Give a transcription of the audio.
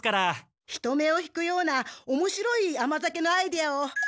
人目を引くようなおもしろい甘酒のアイデアを。